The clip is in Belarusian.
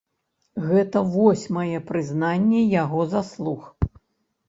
Гэта восьмае прызнанне яго заслуг.